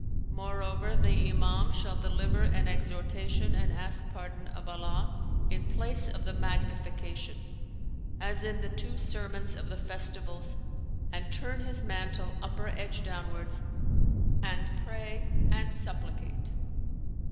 Moreover the Imam shall deliver an exhortation and ask pardon of Allah, in place of the magnification, as in the two sermons of the Festivals and turn his mantle upper edge downwards and pray and supplicate."